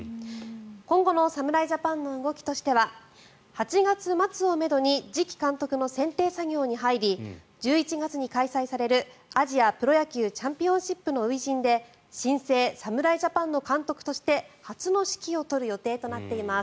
今後の侍ジャパンの動きとしては８月末をめどに次期監督の選定作業に入り１１月に開催されるアジアプロ野球チャンピオンシップの初陣で新生侍ジャパンの監督として初の指揮を執る予定となっています。